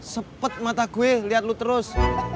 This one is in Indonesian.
sepet mata gue liat lu terus